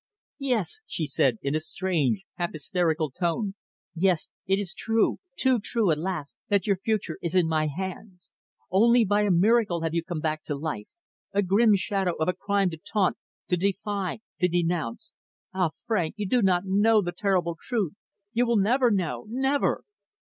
"Yes," she said, in a strange, half hysterical tone. "Yes, it is true, too true, alas! that your future is in my hands. Only by a miracle have you come back to life, a grim shadow of a crime to taunt, to defy, to denounce. Ah! Frank, you do not know the terrible truth; you will never know never!"